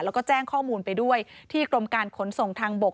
แล้วก็แจ้งข้อมูลไปด้วยที่กรมการขนส่งทางบก